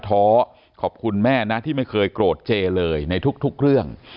ท้อขอบคุณแม่นะที่ไม่เคยโกรธเจเลยในทุกเรื่อง